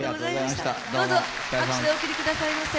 どうぞ拍手でお送りくださいませ。